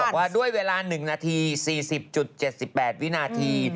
ว่าด้วยเวลา๑นาที๔๐๗๘วินาที